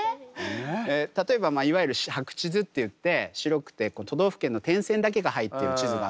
例えばいわゆる白地図っていって白くて都道府県の点線だけが入ってる地図があるんですね。